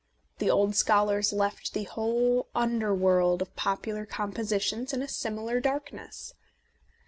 The old scholars left the whole underworld of popular compositions in a similar dark ness.